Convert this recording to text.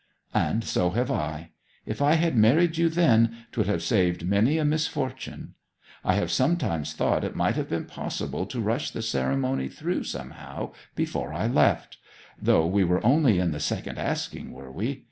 'And so have I! If I had married you then 'twould have saved many a misfortune. I have sometimes thought it might have been possible to rush the ceremony through somehow before I left; though we were only in the second asking, were we?